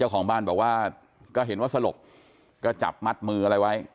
ก็เห็นว่าสะหรบจับมัดมืออะไรไว้